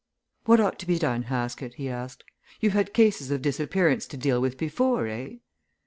"What ought to be done, Haskett?" he asked. "You've had cases of disappearance to deal with before, eh?"